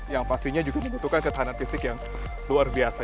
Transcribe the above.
yang pastinya juga membutuhkan ketahanan fisik yang luar biasa